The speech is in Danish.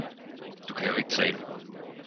Du kan jo ikke tale